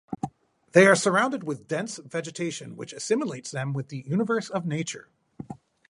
They are surrounded with dense vegetation which assimilates them with the universe of nature.